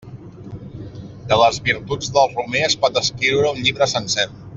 De les virtuts del romer es pot escriure un llibre sencer.